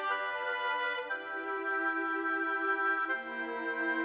oh ini dong